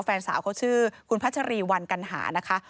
แฟนสาวเขาชื่อคุณพัชรีวันกัณหานะคะ